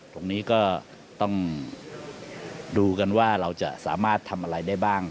ตรงนี้ก็ต้องดูกันว่าเราจะสามารถทำอะไรได้บ้าง